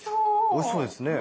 おいしそうですね。